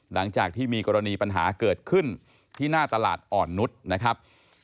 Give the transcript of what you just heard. หลังจากที่มีกรณีปัญหาเกิดขึ้นที่หน้าตลาดอ่อนนุษย์นะครับ